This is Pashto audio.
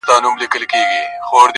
د شهیدانو هدیرې جوړي سي-